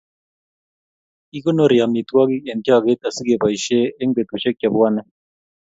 Kikonori amitwogik eng choget asikeboisie eng betusiek chebwone